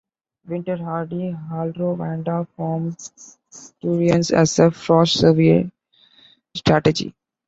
Winter-hardy "Aldrovanda" form turions as a frost survival strategy.